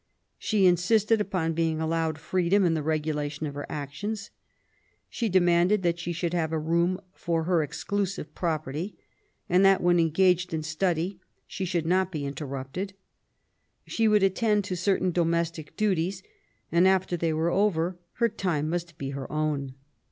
She insisted upon being allowed freedom in the regulation of her actions. She demanded that she should have a room for her exclusive property, and that^ when engaged in study, she should not be interrupted. She would attend to certain domestic duties, and after they were over, her time must be her own.